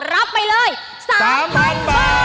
รับไปเลย๓๐๐๐บาท